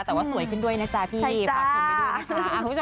แต่ว่าสวยขึ้นด้วยนะจ๊ะพี่ฝากชมไปด้วยนะคะ